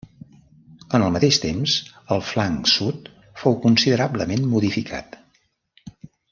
En el mateix temps, el flanc sud fou considerablement modificat.